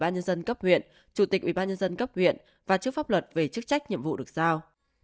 chủ tịch ủy ban nhân dân cấp huyện chủ tịch ủy ban nhân dân cấp huyện và chức pháp luật về chức trách nhiệm vụ được giao